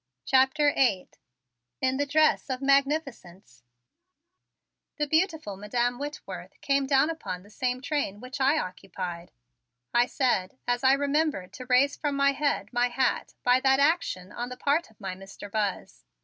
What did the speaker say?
CHAPTER VIII IN THE DRESS OF MAGNIFICENCE "The beautiful Madam Whitworth came down upon the same train which I occupied," I said as I remembered to raise from my head my hat by that action on the part of my Mr. Buzz.